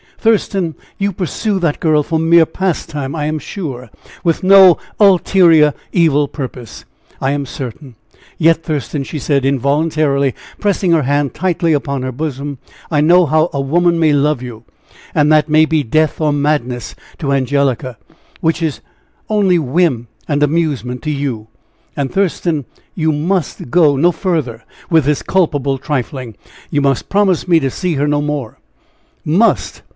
Thurston, you pursue that girl for mere pastime, I am sure with no ulterior evil purpose, I am certain; yet, Thurston!" she said, involuntarily pressing her hand tightly upon her own bosom, "I know how a woman may love you, and that may be death or madness to Angelica, which is only whim and amusement to you. And, Thurston, you must go no further with this culpable trifling you must promise me to see her no more!" "'Must!'